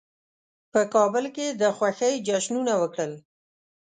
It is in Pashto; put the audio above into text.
په کابل کې د خوښۍ جشنونه وکړل.